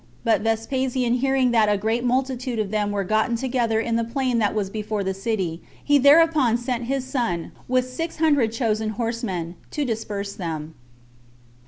But Vespasian hearing that a great multitude of them were gotten together in the plain that was before the city, he thereupon sent his son, with six hundred chosen horsemen, to disperse them.